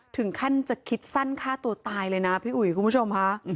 ถึงขั้นจะคิดสั้นฆ่าตัวตายเลยนะพี่อุ๋ยคุณผู้ชมค่ะ